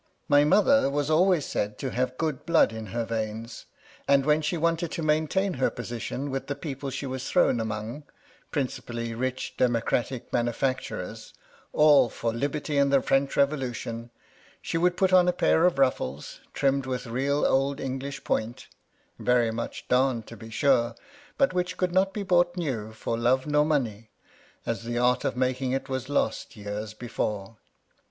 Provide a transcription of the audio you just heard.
My mother was always said to have good blood in her veins ; and when she wanted to maintain her position with the people she was thrown among, — principaUy rich democratic manufacturers, all for liberty and the French Revolution, — she would put on a pair of ruffles, trimmed with real old English point, very much darned to be sure, — but which could not be bought new for love or money, as the art of making it was lost years before.